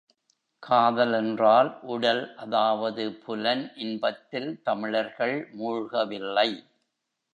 காதல் என்றால், உடல் அதாவது புலன் இன்பத்தில் தமிழர்கள் மூழ்கவில்லை.